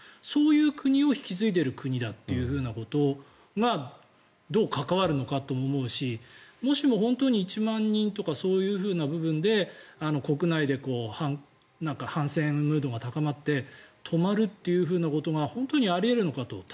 そういう国を引き継いでいる国だということがどう関わるのかと思うしもしも本当に１万人とかそういうふうな部分で国内で反戦ムードが高まって止まるということが本当にあり得るのかと。